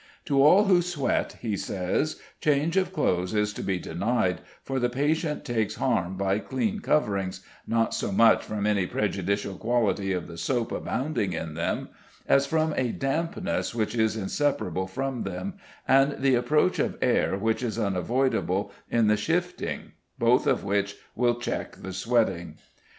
"To all who sweat," he says, "change of clothes is to be denied, for the patient takes harm by clean coverings, not so much from any prejudicial quality of the soap abounding in them, as from a dampness which is inseparable from them, and the approach of air which is unavoidable in the shifting, both of which will check the sweating."